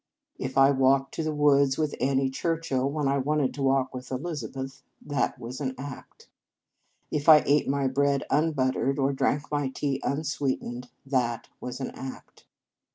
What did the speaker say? If I walked to the woods with Annie Churchill, when I wanted to walk with Elizabeth, that was an act. If I ate my bread unbuttered, or drank my tea unsweetened, that was an act.